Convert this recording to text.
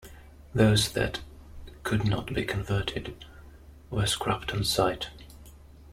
Those that could not be converted were scrapped on site.